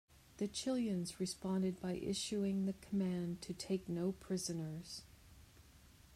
The Chileans responded by issuing the command to take no prisoners.